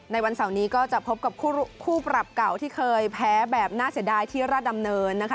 วันเสาร์นี้ก็จะพบกับคู่ปรับเก่าที่เคยแพ้แบบน่าเสียดายที่ราชดำเนินนะคะ